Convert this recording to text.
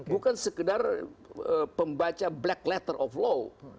bukan sekedar pembaca black letter of law